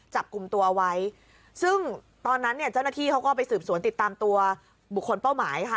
จับกลุ่มตัวไว้ซึ่งตอนนั้นเนี่ยเจ้าหน้าที่เขาก็ไปสืบสวนติดตามตัวบุคคลเป้าหมายค่ะ